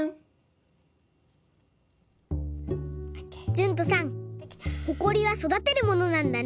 じゅんとさんほこりはそだてるものなんだね。